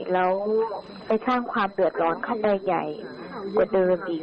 แล้วไปทางความเดือดร้อนข้างด้านใหญ่กว่าเดินดี